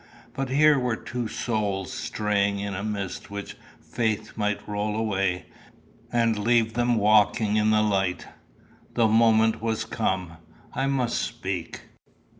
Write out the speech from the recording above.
But here were two souls straying in a mist which faith might roll away, and leave them walking in the light. The moment was come. I must speak.